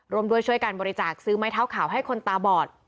ร่วมด้วยช่วยการบริจาคซื้อไม้เท้าขาวให้คนตาบอด